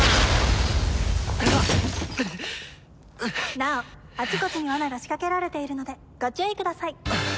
なおあちこちに罠が仕掛けられているのでご注意ください。